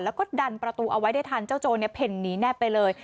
แล้วก็ดันประตูเอาไว้ได้ทันเจ้าโจรเพ่นหนีแนบไปเลย